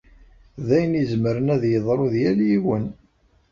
D ayen izemren ad yeḍru d yal yiwen.